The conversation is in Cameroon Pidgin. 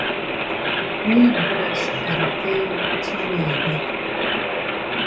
Only becos I di tell you tin wey e dey.